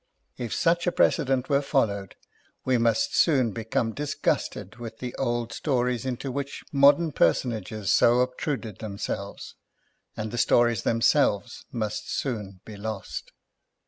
If such a precedent were followed we must soon become disgusted with the old stories into which modern personages so ob truded themselves, and the stories themselves must soon be lost.